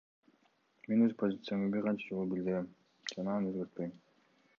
Мен өз позициямды бир канча жолу билдиргем жана аны өзгөртпөйм.